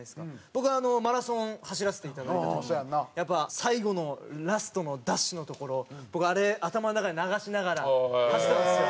僕マラソン走らせていただいた時にやっぱ最後のラストのダッシュのところ僕あれ頭の中で流しながら走ってたんですよ。